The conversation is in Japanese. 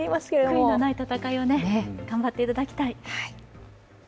悔いのない戦いを頑張っていただきたい。